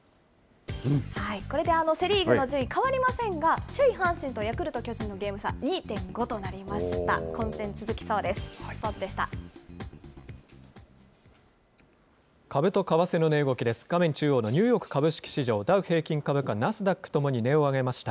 これでセ・リーグの順位変わりませんが、首位阪神とヤクルト、巨人のゲーム差２．５となりました。